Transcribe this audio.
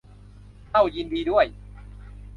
เอ้า ยินดีด้วย